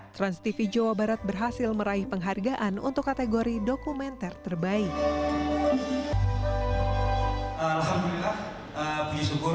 transtv jawa barat berhasil meraih penghargaan untuk kategori dokumenter terbaik